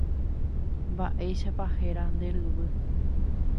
Mba'éichapa héra nde ryvy.